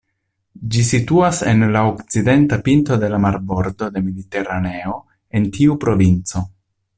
Ĝi situas en la okcidenta pinto de la marbordo de Mediteraneo en tiu provinco.